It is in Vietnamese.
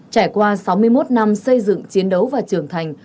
trải qua sáu mươi một năm xây dựng chiến đấu và trưởng thành